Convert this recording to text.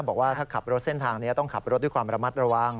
บอกว่าถ้าขับรถเส้นทางนี้ต้องขับรถด้วยความระมัดระวัง